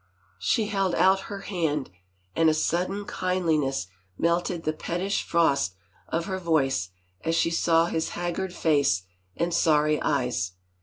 She held out her hand, and a sudden kind liness melted the pettish frost of her voice as she saw his haggard face and sorry eyes.